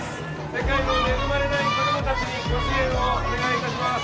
世界の恵まれない子供たちにご支援をお願いいたします